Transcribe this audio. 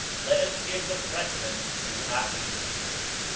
Let us give the precedence to Athens....